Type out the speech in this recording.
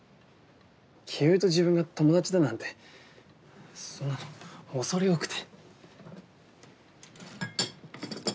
清居と自分が友達だなんてそんなの恐れ多くて。